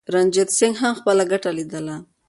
رنجیت سنګ هم خپله ګټه لیدله.